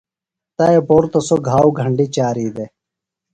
تائی پہُرتہ سوۡ گھاؤ گھنڈیۡ چاری دےۡ۔